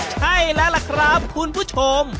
ใช่แล้วล่ะครับคุณผู้ชม